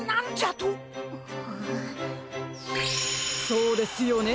そうですよね！